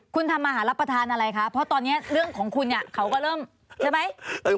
คุณทำอาหารรับประทานอะไรคะเพราะตอนนี้เรื่องของคุณเนี่ยเขาก็เริ่มใช่ไหม